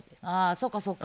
そうかそうか。